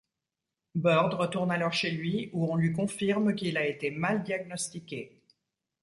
Bird retourne alors chez lui, où on lui confirme qu'il a été mal diagnostiqué.